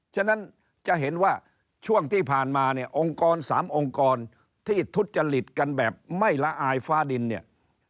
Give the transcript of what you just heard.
ฉะนั้นจะเห็นว่าช่วงที่ผ่านมาเนี่ยองค์กร๓องค์กรที่ทุจจริตกันแบบไม่ละอายฟ้าดินเนี่ย